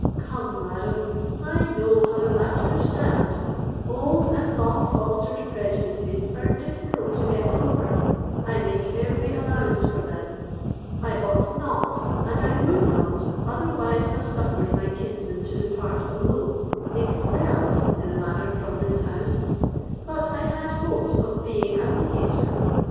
Come, madam, I know how matters stand—old and long fostered prejudices are difficult to get over, I make every allowance for them; I ought not, and I would not, otherwise have suffered my kinsman to depart alone, expelled, in a manner, from this house, but I had hopes of being a mediator.